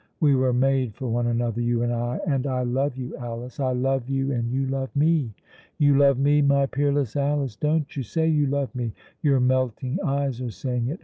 We were made for one another, you and I, and I love you, Alice I love you and you love me. You love me, my peerless Alice, don't you? Say you love me. Your melting eyes are saying it.